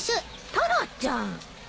タラちゃん！